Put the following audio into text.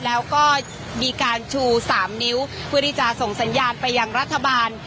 แล้วก็มีการชู๓นิ้วเพื่อที่จะส่งสัญญาณไปยังรัฐบาล